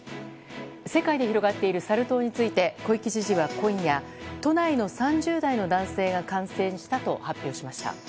世界で広がっているサル痘について小池知事は、今夜都内の３０代の男性が感染したと発表しました。